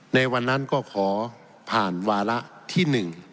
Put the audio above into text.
ในวันนั้นก็ขอผ่านวาระที่๑